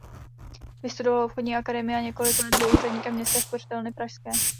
Vystudoval obchodní akademii a několik let byl úředníkem Městské spořitelny pražské.